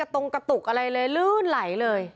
ไม่ตรงกระตุกอะไรเลยลื่นไหลเลย